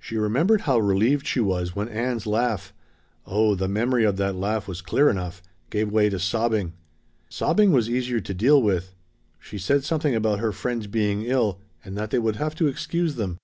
She remembered how relieved she was when Ann's laugh oh the memory of that laugh was clear enough! gave way to sobbing. Sobbing was easier to deal with. She said something about her friend's being ill, and that they would have to excuse them.